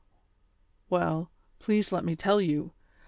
'' Well, please let me tell you.